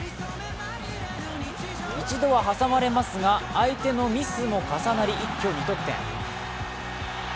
一度は挟まれますが相手のミスも重なり、一挙２得点。